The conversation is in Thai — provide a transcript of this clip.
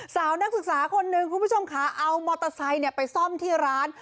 สาวนักศึกษาคนหนึ่งคุณผู้ชมค่ะเอามอเตอร์ไซค์ไปซ่อมที่ร้าน